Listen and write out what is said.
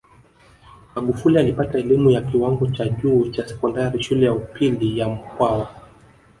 Magufuli alipata elimu ya kiwango cha juu cha sekondari Shule ya Upili ya Mkwawa